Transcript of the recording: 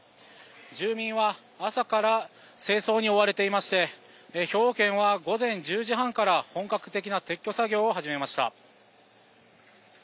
住民は朝から清掃に追われていまして兵庫県は午前１０時半から本格的な撤去作業を始めました。